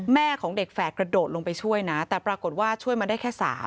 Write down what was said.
แม่ของเด็กแฝดกระโดดลงไปช่วยนะแต่ปรากฏว่าช่วยมาได้แค่๓